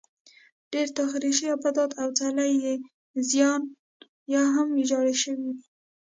ډېری تاریخي ابدات او څلي یې زیان یا هم ویجاړ شوي دي